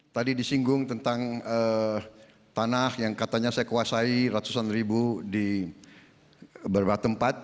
tadi disinggung tentang tanah yang katanya saya kuasai ratusan ribu di beberapa tempat